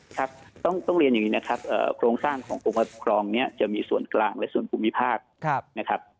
ครับต้องเรียนอย่างนี้นะครับโครงสร้างขององค์พระครองนี้จะมีส่วนกลางและส่วนภูมิภาคนะครับ